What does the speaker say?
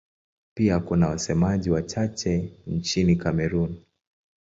Pia kuna wasemaji wachache nchini Kamerun.